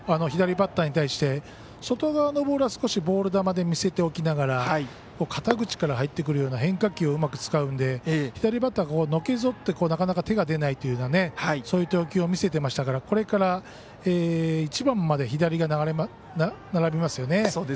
左バッターに対して外側のボールは少しボール球で見せておきながら肩口から入ってくるような変化球をうまく使うので左バッターがのけぞってなかなか手が出ないというそういう投球を見せてますからこれから１番まで左が並びますよね。